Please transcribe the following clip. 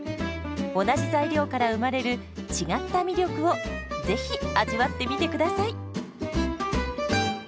同じ材料から生まれる違った魅力をぜひ味わってみてください。